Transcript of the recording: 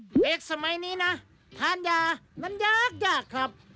เด็กสมัยนี้นะทานยามันยากยากครับ